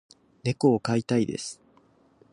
猫を飼いたいです。